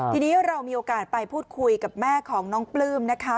ทีนี้เรามีโอกาสไปพูดคุยกับแม่ของน้องปลื้มนะคะ